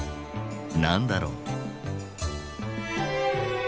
何だろう？